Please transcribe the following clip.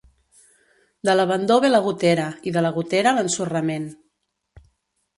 De l'abandó ve la gotera, i de la gotera, l'ensorrament.